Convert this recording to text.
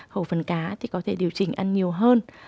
khẩu phần cá thì có thể điều chỉnh ăn nhiều hơn